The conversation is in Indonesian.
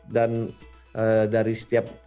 dan dari setiap